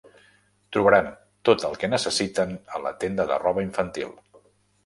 Trobaran tot el que necessiten a la tenda de roba infantil.